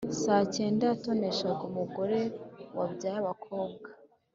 Sacyega yatoneshaga umugore wabyaye abakobwa,